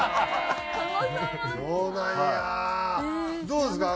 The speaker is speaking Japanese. どうですか？